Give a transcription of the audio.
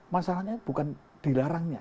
masalahnya bukan dilarangnya